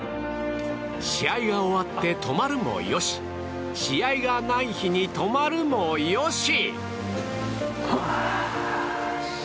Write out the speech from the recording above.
試合が終わって泊まるもよし試合がない日に泊まるもよし。